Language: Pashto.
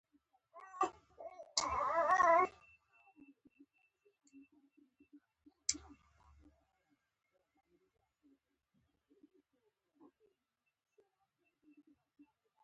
په ملي کچه د دین په نامه خبرې وکړي.